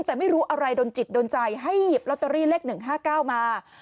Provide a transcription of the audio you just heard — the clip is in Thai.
แต่ไม่รู้อะไรโดนจิตโดนใจให้หยิบลอตเตอรี่เลข๑๕๙มา